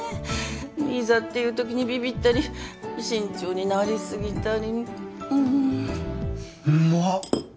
いざっていう時にビビったり慎重になりすぎたりうまっ